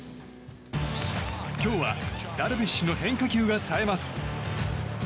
今日はダルビッシュの変化球がさえます。